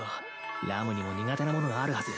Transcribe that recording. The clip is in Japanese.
ラムにも苦手なものがあるはず